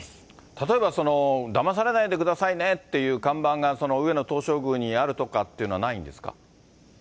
例えば、だまされないでくださいねっていう看板が、上野東照宮にあるとかっていうのはないんですか？